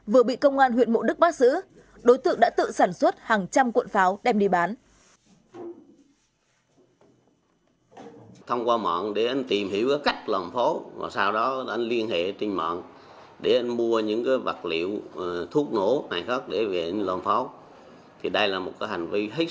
vừa bị công an huyện mộ đức bắt giữ đối tượng đã tự sản xuất hàng trăm cuộn pháo đem đi bán